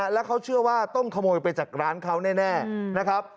แล้วเขาเชื่อว่าต้องขโมยไปจากร้านเขาแน่นะครับ